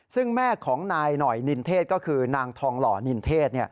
ซึ่งแม่ของนายหน่อยนินเทศก็คือนางทองหล่อนินเทศ